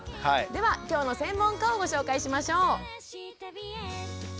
では今日の専門家をご紹介しましょう。